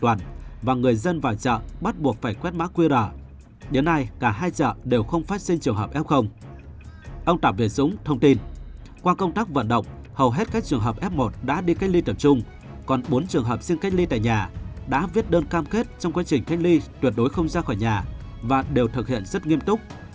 ông tạm việt dũng thông tin qua công tác vận động hầu hết các trường hợp f một đã đi cách ly tập trung còn bốn trường hợp xin cách ly tại nhà đã viết đơn cam kết trong quá trình cách ly tuyệt đối không ra khỏi nhà và đều thực hiện rất nghiêm túc